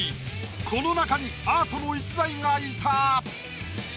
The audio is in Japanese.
この中にアートの逸材がいた！